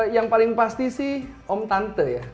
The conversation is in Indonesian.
yang paling pasti sih om tante ya